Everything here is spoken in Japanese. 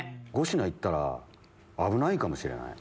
５品行ったら危ないんかもしれない。